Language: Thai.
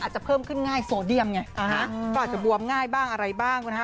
จะเพิ่มขึ้นง่ายโซเดียมไงก็อาจจะบวมง่ายบ้างอะไรบ้างนะฮะ